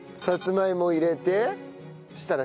さつまいもを入れてそ